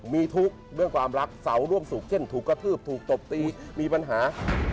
มีทุกข์เรื่องความรักเสาร่วมสุขเช่นถูกกระทืบถูกตบตีมีปัญหา